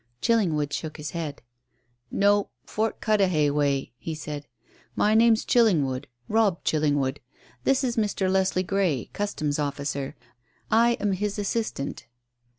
Chillingwood shook his head. "No. Fort Cudahy way," he said. "My name's Chillingwood Robb Chillingwood. This is Mr. Leslie Grey, Customs officer. I am his assistant."